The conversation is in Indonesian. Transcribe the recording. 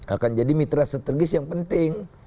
akan jadi mitra strategis yang penting